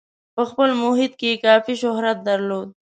په خپل محیط کې یې کافي شهرت درلود.